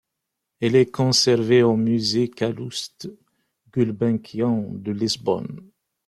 Elle est conservée au musée Calouste Gulbenkian de Lisbonne.